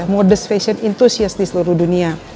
modest fashion entusiast di seluruh dunia